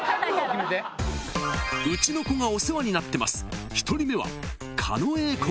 ［『ウチの子がお世話になってます』］